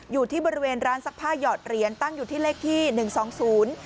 อยู่ที่บริเวณร้านซักผ้าหยอดเหรียญตั้งอยู่ที่เลขที่หนึ่งสองศูนย์